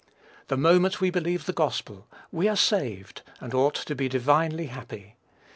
The moment we believe the gospel, we are saved, and ought to be divinely happy.